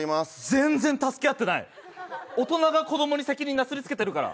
全然助け合ってない、大人が子供に責任なすりつけてるから。